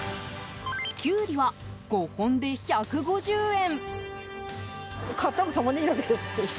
キュウリは、５本で１５０円。